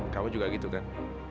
kamu juga gitu kan